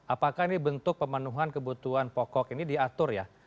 apakah ini bentuk pemenuhan kebutuhan pokok ini diatur ya